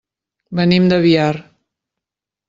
Venim de Biar.